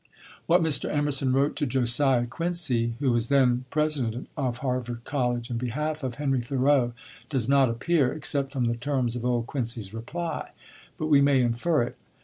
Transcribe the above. What Mr. Emerson wrote to Josiah Quincy, who was then president of Harvard College, in behalf of Henry Thoreau does not appear, except from the terms of old Quincy's reply; but we may infer it.